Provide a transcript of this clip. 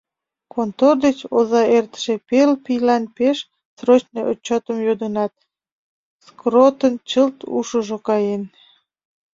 Контор деч оза эртыше пел ийлан пеш срочный отчётым йодынат, Скроотын чылт ушыжо каен.